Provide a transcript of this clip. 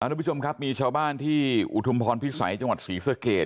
ทุกผู้ชมครับมีชาวบ้านที่อุทุมพรพิสัยจังหวัดศรีสเกต